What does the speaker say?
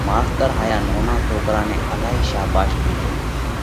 ماستر هايا نونا سوڪرا نئہ الهائي شاڀاش ۮِيڌئي